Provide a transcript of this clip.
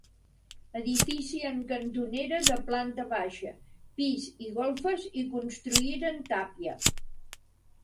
Edifici en cantonera de planta baixa, pis i golfes i construïda en tàpia.